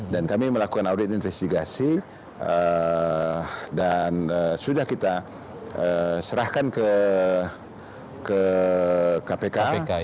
dan kami melakukan audit investigasi dan sudah kita serahkan ke kpk